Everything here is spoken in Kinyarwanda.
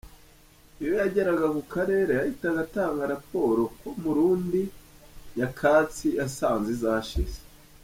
Iyo yageraga ku Karere yahita atanga raporo ko Murundi nyakatsi yasanze zashize.